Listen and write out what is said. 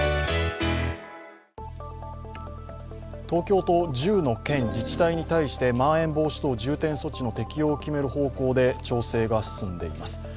東京と１０の県、自治体に対してまん延防止等重点措置の適用を決める方向で調整が進んでいます。